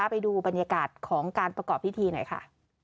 ไปดูบรรยากาศของการประกอบพิธีหน่อยค่ะ